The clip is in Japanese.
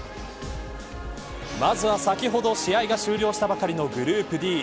まずは先ほど試合が終了したばかりのグループＤ。